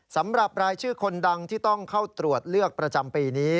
สำหรับรายชื่อคนดังที่ต้องเข้าตรวจเลือกประจำปีนี้